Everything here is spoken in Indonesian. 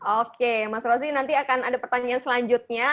oke mas rozi nanti akan ada pertanyaan selanjutnya